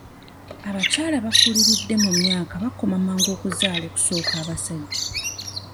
Abakyala abakuliridde mu myaka bakoma mangu okuzaala okusooka abasajja